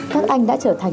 các anh đã trở thành